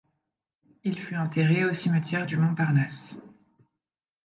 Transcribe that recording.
Il fut enterré au cimetière du Montparnasse.